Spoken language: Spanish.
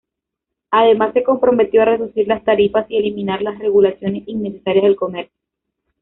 Además, se comprometió a reducir las tarifas y eliminar las regulaciones innecesarias del comercio.